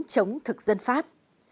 chống thực dân pháp